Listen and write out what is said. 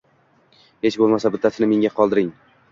Hech boʻlmasa bittasini menga qoldiring!